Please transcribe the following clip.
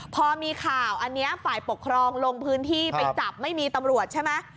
พอมีข่าวอันนี้ฝ่ายปกครองลงพื้นที่ไปจับไม่มีตำรวจใช่ไหม